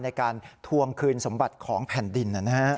ในการทวงคืนสมบัติของแผ่นดิน